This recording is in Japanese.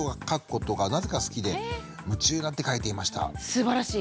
すばらしい。